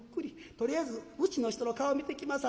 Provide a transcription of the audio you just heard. とりあえずうちの人の顔見てきますわ」。